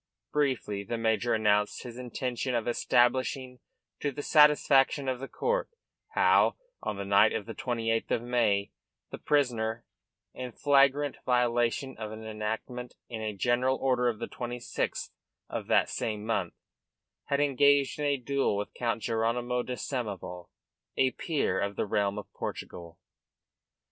Briefly the major announced his intention of establishing to the satisfaction of the court how, on the night of the 28th of May, the prisoner, in flagrant violation of an enactment in a general order of the 26th of that same month, had engaged in a duel with Count Jeronymo de Samoval, a peer of the realm of Portugal.